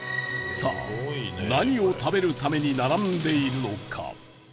さあ何を食べるために並んでいるのか？